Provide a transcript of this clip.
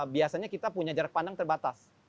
biasanya kita punya jarak pandang terbatas